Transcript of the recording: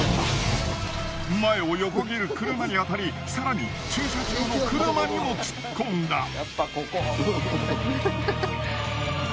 前を横切る車に当たり更に駐車中の車にも突っ込んだ。